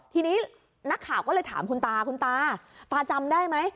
ทีนี้นักข่าวก็เลยถามคุณตาคุณตาตาจำได้ไหม